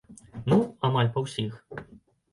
Ну, амаль па ўсіх.